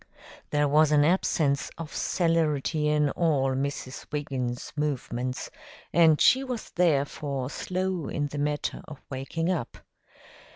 There was an absence of celerity in all Mrs. Wiggins' movements, and she was therefore slow in the matter of waking up.